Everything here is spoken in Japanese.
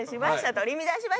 取り乱しました。